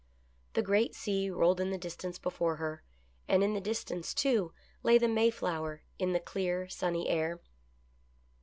The great sea rolled in the distance before her, and in the distance, too, lay the Mayflower in the clear sunny air.